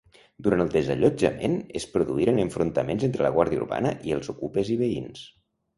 Durant el desallotjament, es produïren enfrontaments entre la Guàrdia Urbana i els okupes i veïns.